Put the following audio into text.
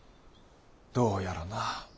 どうやらな。